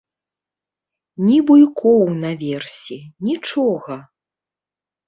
Ні буйкоў наверсе, нічога!